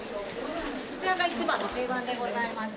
こちらが一番の定番でございまして。